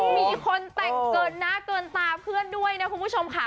มีคนแต่งเกินหน้าเกินตาเพื่อนด้วยนะคุณผู้ชมค่ะ